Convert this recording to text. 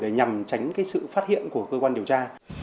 để nhằm tránh sự phát hiện của cơ quan điều tra